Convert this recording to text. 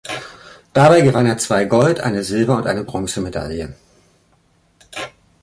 Dabei gewann er zwei Gold-, eine Silber- und eine Bronzemedaille.